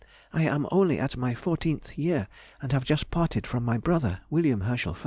I am only at my fourteenth year, and have just parted from my brother, William Herschel I.